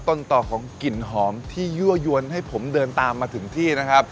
ต้นต่อของกลิ่นหอมที่ยั่วยวนให้ผมเดินตามมาถึงที่นะครับ